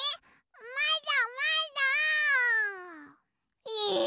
まだまだ！え？